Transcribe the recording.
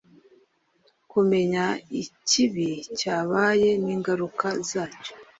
kumenya ikibi cyabaye n' ingaruka zacyo,